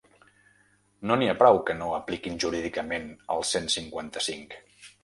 No n’hi ha prou que no apliquin jurídicament el cent cinquanta-cinc.